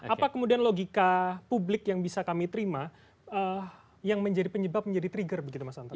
apa kemudian logika publik yang bisa kami terima yang menjadi penyebab menjadi trigger begitu mas anton